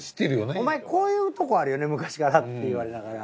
「お前こういうとこあるよね昔から」って言われながら。